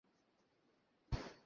এই সব দোষ আমার।